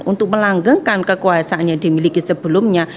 untuk melanggengkan kekuasaan yang dimiliki sebelumnya